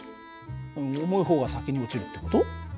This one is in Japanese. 重い方が先に落ちるって事？